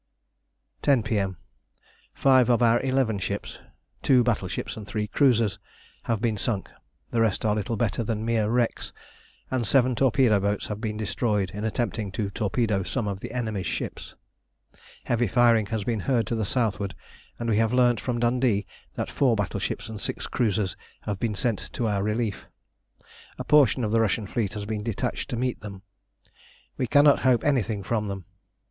10 P.M. Five of our eleven ships two battleships and three cruisers have been sunk; the rest are little better than mere wrecks, and seven torpedo boats have been destroyed in attempting to torpedo some of the enemy's ships. Heavy firing has been heard to the southward, and we have learnt from Dundee that four battleships and six cruisers have been sent to our relief. A portion of the Russian fleet has been detached to meet them. We cannot hope anything from them.